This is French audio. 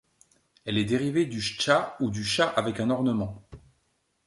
Elle est dérivée du chtcha ou du cha avec un ornement.